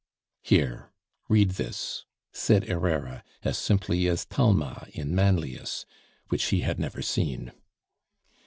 Here, read this," said Herrera, as simply as Talma in Manlius, which he had never seen.